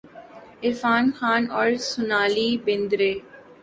عرفان خان اور سونالی بیندر ے